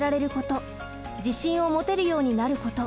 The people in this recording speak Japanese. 自信を持てるようになること。